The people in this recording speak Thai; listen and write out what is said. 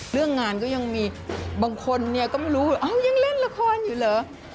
เรื่องงานก็ยังมีบางคนเนี่ยก็ไม่รู้ยังเล่นละครอยู่เหรอ